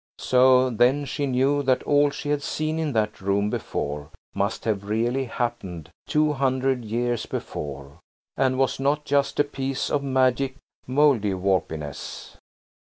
So then she knew that all she had seen in that room before must have really happened two hundred years before, and was not just a piece of magic Mouldiwarpiness.